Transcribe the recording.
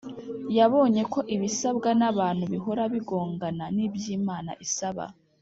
, yabonye ko ibisabwa n’abantu bihora bigongana n’iby’Imana isaba.